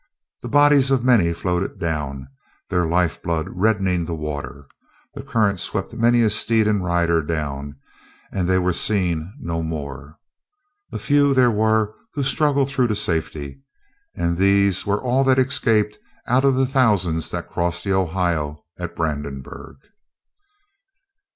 The bodies of many floated down, their life blood reddening the water. The current swept many a steed and rider down, and they were seen no more. A few there were who struggled through to safety, and these were all that escaped of the thousands that crossed the Ohio at Brandenburg.